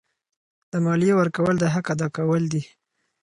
د مالیې ورکول د حق ادا کول دي.